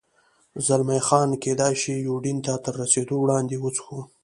زلمی خان: کېدای شي یوډین ته تر رسېدو وړاندې، وڅښو.